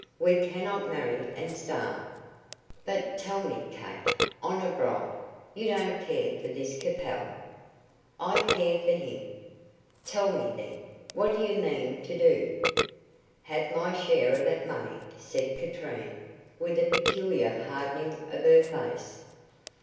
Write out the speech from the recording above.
We cannot marry and starve." "But tell me, Kate honour bright you don't care for this Capel?" "I care for him!" "Tell me, then, what do you mean to do?" "Have my share of that money," said Katrine, with a peculiar hardening of her face.